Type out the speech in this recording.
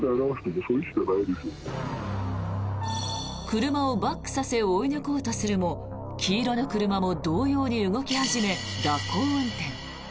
車をバックさせ追い抜こうとするも黄色の車も同様に動き始め蛇行運転。